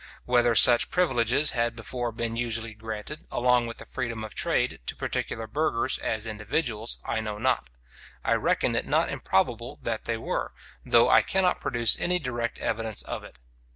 Whether such privileges had before been usually granted, along with the freedom of trade, to particular burghers, as individuals, I know not. I reckon it not improbable that they were, though I cannot produce any direct evidence of it.